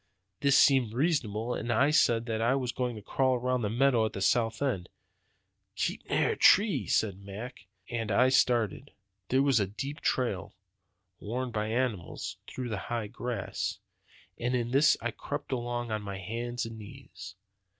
This seemed reasonable; and I said that I was going to crawl around the meadow to the south end. 'Keep near a tree,' says Mac; and I started. "There was a deep trail, worn by animals, through the high grass; and in this I crept along on my hands and knees.